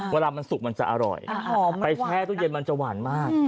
เวลามันสุกมันจะอร่อยไปแช่ตู้เย็นมันจะหวานมาก